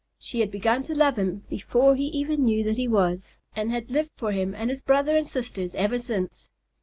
She had begun to love him before he even knew that he was, and had lived for him and his brother and sisters ever since.